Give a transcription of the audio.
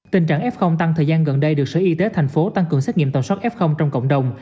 tình trạng f tăng thời gian gần đây được sở y tế tp hcm tăng cường xét nghiệm tổng số f trong cộng đồng